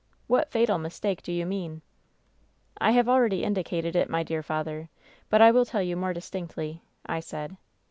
What fatal mistake do you mean V " *I have already indicated it, my dear father. But I will tell you more distinctly,' I said.